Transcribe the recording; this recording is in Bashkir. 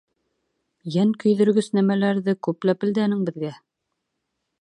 Йән көйҙөргөс нәмәләрҙе күп ләпелдәнең беҙгә.